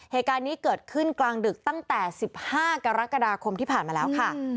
เหตุการณ์นี้เกิดขึ้นกลางดึกตั้งแต่๑๕กรกฎาคมที่ผ่านมาแล้วค่ะ